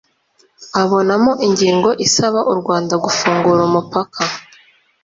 abonamo ingingo isaba u rwanda gufungura umupaka